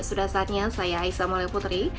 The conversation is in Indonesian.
sudah saatnya saya aisyah molle putri